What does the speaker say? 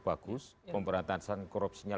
bagus pemberantasan korupsinya